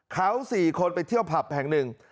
เขา๔คนไปเที่ยวผับแห่งหนึ่ง